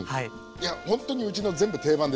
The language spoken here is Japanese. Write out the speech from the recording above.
いやほんとにうちの全部定番ですよ。